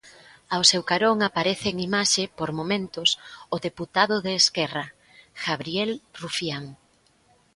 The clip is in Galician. Ao seu carón aparece en imaxe, por momentos, o deputado de Esquerra, Gabriel Rufián.